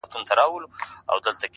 څه د اضدادو مجموعه یې د بلا لوري،